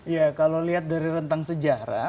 ya kalau lihat dari rentang sejarah